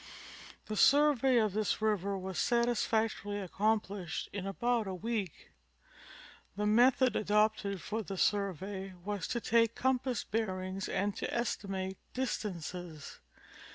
The survey of this river was satisfactorily accomplished in about a week. The method adopted for the survey was to take compass bearings and to estimate distances.